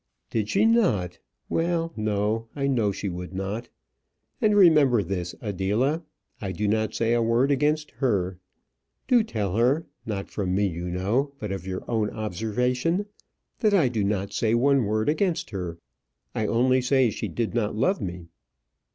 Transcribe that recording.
"Did she not? Well no I know she would not. And remember this, Adela: I do not say a word against her. Do tell her, not from me, you know, but of your own observation, that I do not say one word against her. I only say she did not love me."